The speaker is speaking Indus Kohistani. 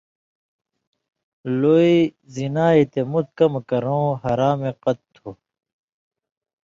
لُوئ ، زِنا یی تے مُت کمہۡ کرؤں حرامے قط تُھو۔